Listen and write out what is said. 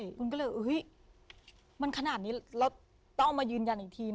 คุณก็เลยเฮ้ยมันขนาดนี้แล้วต้องมายืนยันอีกที